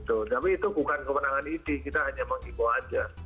tapi itu bukan kemenangan id kita hanya menghimbol aja